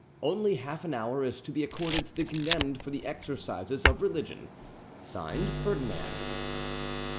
Only half an hour is to be accorded to the condemned for the exercises of religion. "(Signed) FERDINAND."